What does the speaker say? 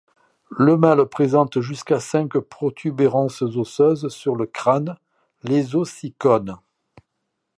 Le mâle présente jusqu’à cinq protubérances osseuses sur le crâne, les ossicônes.